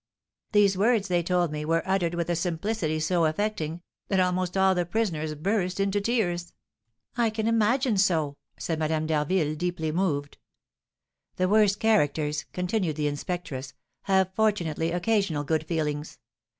These words, they told me, were uttered with a simplicity so affecting, that almost all the prisoners burst into tears." "I can imagine so," said Madame d'Harville, deeply moved. "The worst characters," continued the inspectress, "have, fortunately, occasional good feelings.